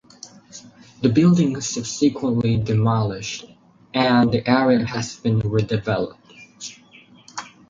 The buildings subsequently demolished and the area has been redeveloped.